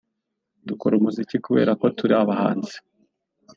dukora umuziki kubera ko turi abahanzi